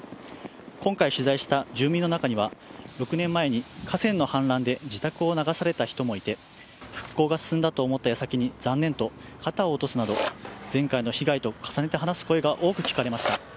今回取材した住民の中には６年前に河川の氾濫で自宅を流された人もいて復興が進んだと思った矢先に残念と肩を落とすなど前回の被害と重ねて話す声が多く聞かれました。